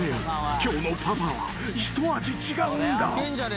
今日のパパは一味違うんだ］